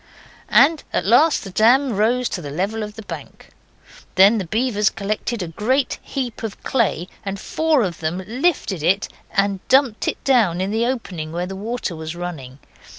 And at last the dam rose to the level of the bank. Then the beavers collected a great heap of clay, and four of them lifted it and dumped it down in the opening where the water was running.